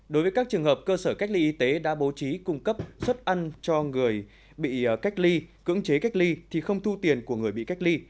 đối với các trường hợp cơ sở cách ly y tế đã bố trí cung cấp xuất ăn cho người bị cách ly cưỡng chế cách ly thì không thu tiền của người bị cách ly